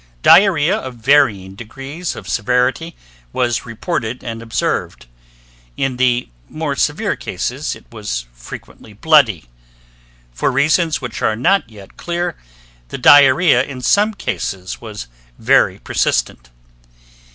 Diarrhea of varying degrees of severity was reported and observed. In the more severe cases, it was frequently bloody. For reasons which are not yet clear, the diarrhea in some cases was very persistent.